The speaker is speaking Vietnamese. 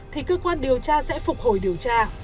thì cơ quan điều tra sẽ phục hồi điều tra